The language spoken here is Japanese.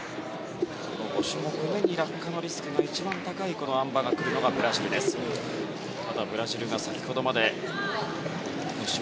５種目めに落下のリスクが一番高いあん馬が来るのがブラジルです。